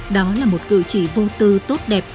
đó là một cử chỉ vô tư tốt đẹp